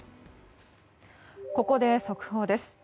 ここで速報です。